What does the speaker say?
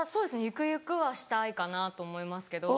ゆくゆくはしたいかなと思いますけど。